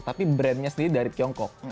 tapi brandnya sendiri dari tiongkok